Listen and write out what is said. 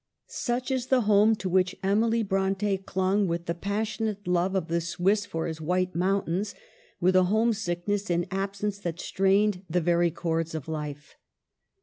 Such is the home to which Emily Bronte clung with the passionate love of the Swiss for his white mountains, with a homesickness in absence that strained the very cords of life.